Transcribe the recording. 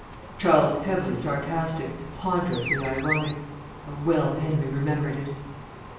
Charles heavily sarcastic, ponderously ironic how well Henry remembered it.